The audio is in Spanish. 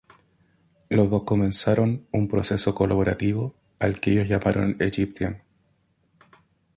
Los dos comenzaron un proceso colaborativo al que ellos llamaron Egyptian.